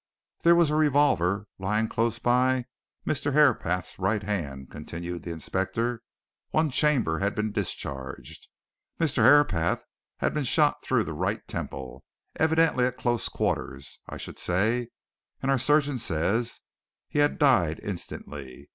"There was a revolver lying close by Mr. Herapath's right hand," continued the inspector. "One chamber had been discharged. Mr. Herapath had been shot through the right temple, evidently at close quarters. I should say and our surgeon says he had died instantly.